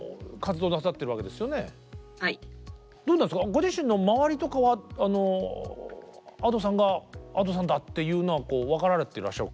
ご自身の周りとかはＡｄｏさんがＡｄｏさんだっていうのは分かられていらっしゃる？